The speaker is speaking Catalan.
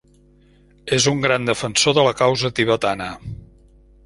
És un gran defensor de la causa tibetana.